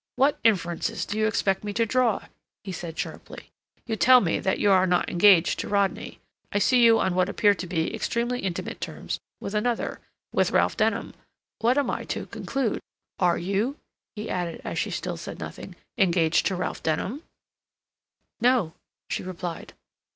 "What inferences do you expect me to draw?" he said sharply.... "You tell me that you are not engaged to Rodney; I see you on what appear to be extremely intimate terms with another—with Ralph Denham. What am I to conclude? Are you," he added, as she still said nothing, "engaged to Ralph Denham?" "No," she replied.